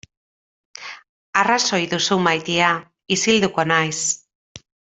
Arrazoi duzu maitea, isilduko naiz.